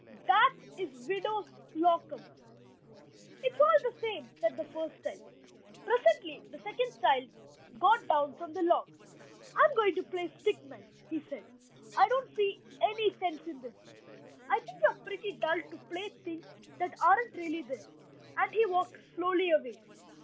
"That is Widow Slocum." "It's all the same," said the first child. Presently the second child got down from the log. "I am going to play stick knife," he said. "I don't see any sense in this. I think you are pretty dull to play things that aren't really there." And he walked slowly away.